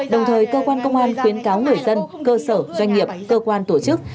đồng thời cơ quan công an khuyến cáo người dân cơ sở doanh nghiệp cơ quan tổ chức